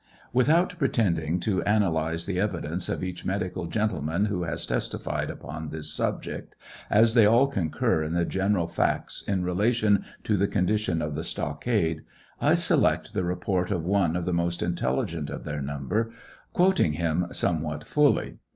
Without pretending to analyze the evidence of each, medical gentleman who has testified upon this subject, as they all concur in the general facts in relation to the condition of the stockade, I select the report of one of the most intelligent of their number, quoting him somewhat fully.